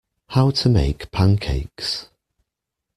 How to make pancakes.